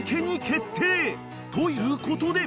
ということで］